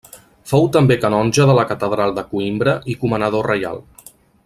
Fou també canonge de la Catedral de Coïmbra i comanador reial.